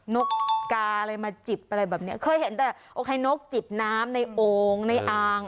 นกกาอะไรมาจิบอะไรแบบเนี้ยเคยเห็นแต่โอเคนกจิบน้ำในโอ่งในอ่าง